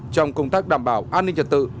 trong công tác đảm bảo an ninh trật tự